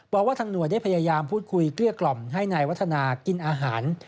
บอกว่าทางหน่วยได้พยายามพูดคุยเกลี้ยกล่อมให้นายวัฒนากินอาหาร